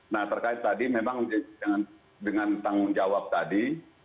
nah terkait tadi memang dengan tanggung jawab tadi